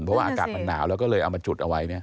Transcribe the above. เพราะว่าอากาศมันหนาวแล้วก็เลยเอามาจุดเอาไว้